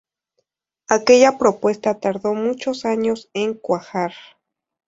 Aquella propuesta tardó muchos años en cuajar.